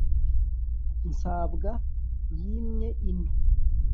nsabwa yimye ino.